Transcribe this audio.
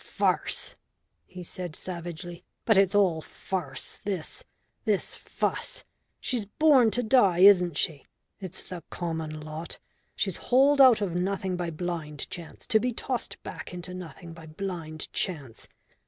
"Farce," he said savagely. "But it's all farce this this fuss, She's born to die, isn't she? It's the common lot. She's hauled out of nothing by blind Chance, to be tossed back into nothing by blind Chance.